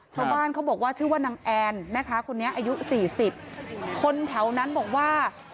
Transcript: ชาวบ้านเขาบอกว่าชื่อว่านางแอนแม่ค้าคนนี้อายุสี่สิบคนแถวนั้นบอกว่า